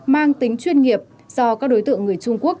mang tính chuyên nghiệp do các đối tượng người trung quốc